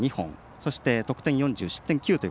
そして、得点４０失点９。